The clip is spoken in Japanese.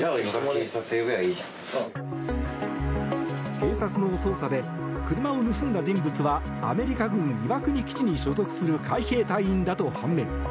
警察の捜査で車を盗んだ人物はアメリカ軍岩国基地に所属する海兵隊員だと判明。